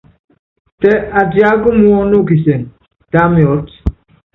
Tɛ atiáka muɔ́nu u kisɛŋɛ, tá miɔ́t.